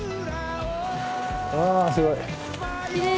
あすごい。